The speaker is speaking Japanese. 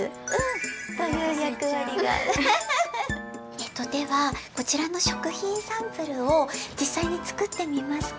えっとではこちらの食品サンプルをじっさいにつくってみますか？